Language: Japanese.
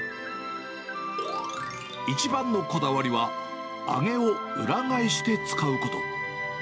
一番のこだわりは、揚げを裏返して使うこと。